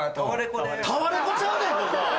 タワレコちゃうねんここ！